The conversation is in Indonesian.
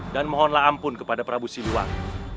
dan mohonlah ampun kepada prabu siliwang